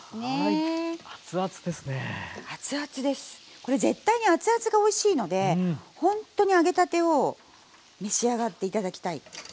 これ絶対に熱々がおいしいのでほんとに揚げたてを召し上がって頂きたい。